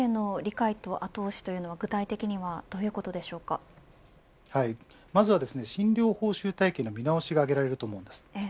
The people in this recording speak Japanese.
行政の理解と後押しとは具体的にはまずは診療報酬体系の見直しが挙げられると思います。